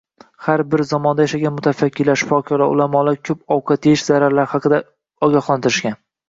Har bir zamonda yashagan mutafakkirlar, shifokorlar, ulamolar ko‘p taom yeyish zararlari haqida ogohlantirishgan.